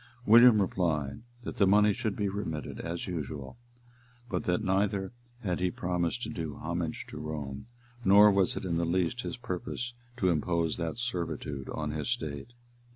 William replied, that the money should be remitted as usual; but that neither had he promised to do homage to Rome, nor was it in the least his purpose to impose that servitude on his state.